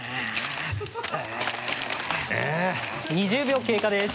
２０秒経過です。